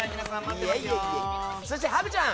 そしてハグちゃん！